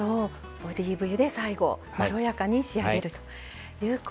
オリーブ油で最後まろやかに仕上げるということで。